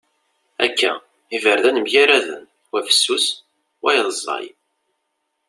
Akka! Iberdan mgaraden. Wa fessus wayeḍ ẓẓay.